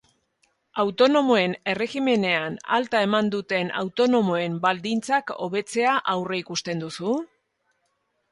Autonomoen erregimenean alta eman duten autonomoen baldintzak hobetzea aurreikusten duzu?